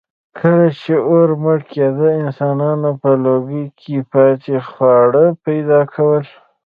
کله چې اور مړ کېده، انسانانو په لوګي کې پاتې خواړه پیدا کول.